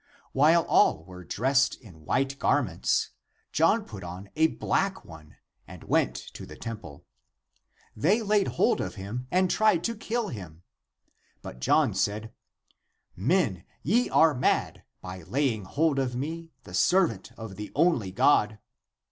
While all were dressed in white garments, John put on a black one and went to the temple. They laid hold of him and tried to kill him. But John said, " Men, ye are mad, by laying hold of me, the servant of the only God."